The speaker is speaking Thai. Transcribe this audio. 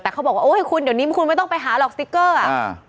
แต่เขาบอกว่าโอ้ยคุณเดี๋ยวนี้คุณไม่ต้องไปหาหรอกสติ๊กเกอร์อ่ะอ่า